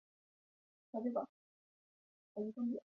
雷南人口变化图示